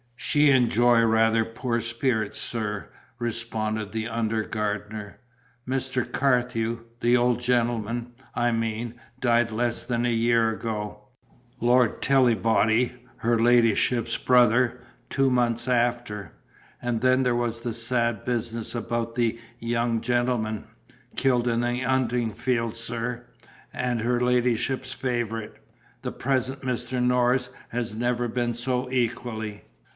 "She enjoy rather poor spirits, sir," responded the under gardener. "Mr. Carthew the old gentleman, I mean died less than a year ago; Lord Tillibody, her ladyship's brother, two months after; and then there was the sad business about the young gentleman. Killed in the 'unting field, sir; and her ladyship's favourite. The present Mr. Norris has never been so equally."